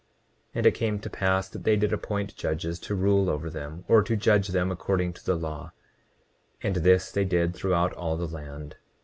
29:41 And it came to pass that they did appoint judges to rule over them, or to judge them according to the law; and this they did throughout all the land.